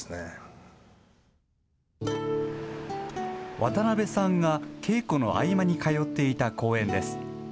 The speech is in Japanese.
渡辺さんが稽古の合間に通っていた公園です。